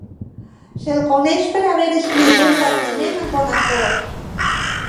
Se'l coneix per haver escrit un partiment amb Bonafós.